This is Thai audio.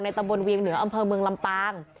ตำบลเวียงเหนืออำเภอเมืองลำปาง